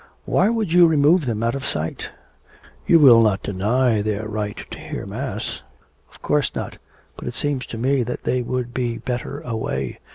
'Why would you remove them out of sight? You will not deny their right to hear Mass?' 'Of course not. But it seems to me that they would be better away.